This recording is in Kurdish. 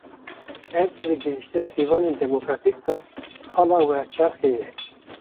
Ev, di gihîştina pîvanên demokratîk de, xala werçerxê ye